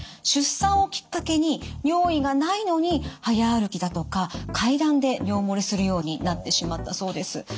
出産をきっかけに尿意がないのに速歩きだとか階段で尿漏れするようになってしまったそうです。